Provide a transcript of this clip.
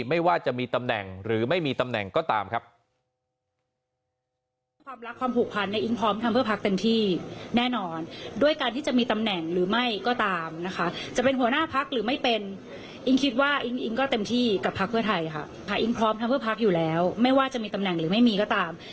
ไม่ว่าจะมีตำแหน่งหรือไม่มีตำแหน่งก็ตามครับ